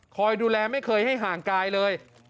คอยดูแลไม่เคยให้ห่างกายเลย